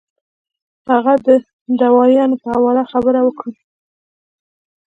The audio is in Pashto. او د هغې د دوايانو پۀ حواله خبره اوکړم